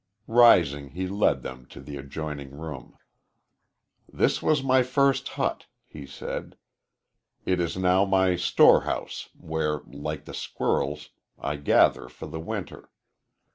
Rising, he led them to the adjoining room. "This was my first hut," he said. "It is now my storehouse, where, like the squirrels, I gather for the winter.